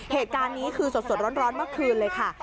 เหตุการณ์นี้คือสดร้อนเมื่อคืนเลยค่ะ